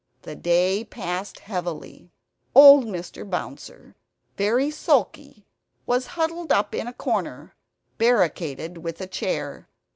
The day passed heavily. Old Mr. Bouncer, very sulky, was huddled up in a corner, barricaded with a chair.